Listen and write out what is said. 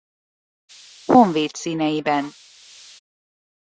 Honvéd színeiben.